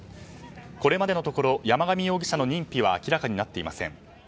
これまでのところ山上容疑者の認否は明らかになっていません。